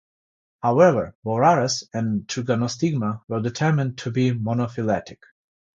However "Boraras" and "Trigonostigma" were determined to be monophyletic.